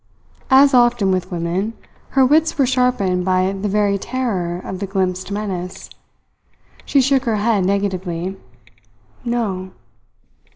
As often with women, her wits were sharpened by the very terror of the glimpsed menace. She shook her head negatively. "No."